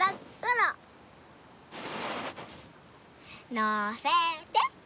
のせて。